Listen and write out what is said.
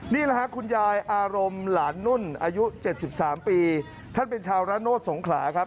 นี่แหละฮะคุณยายอารมณ์หลานนุ่นอายุ๗๓ปีท่านเป็นชาวระโนธสงขลาครับ